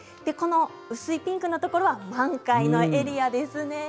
この薄いピンクのところは満開のエリアです。